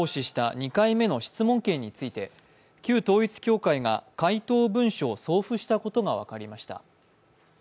２回目の質問権について旧統一教会が回答文書を送付したことが分かりました。